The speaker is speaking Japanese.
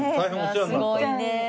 すごいねえ。